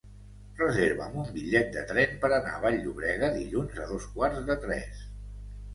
Reserva'm un bitllet de tren per anar a Vall-llobrega dilluns a dos quarts de tres.